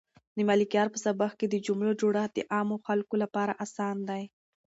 د ملکیار په سبک کې د جملو جوړښت د عامو خلکو لپاره اسان دی.